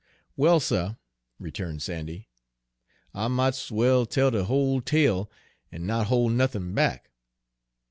"Well, suh," returned Sandy, "I mought's well tell de whole tale an' not hol' nothin' back.